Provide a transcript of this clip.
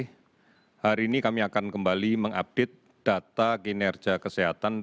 hari ini kami akan kembali mengupdate data kinerja kesehatan